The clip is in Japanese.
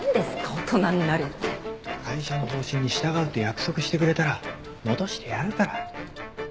会社の方針に従うって約束してくれたら戻してやるから。